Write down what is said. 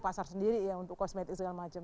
pasar sendiri untuk kosmetik segala macam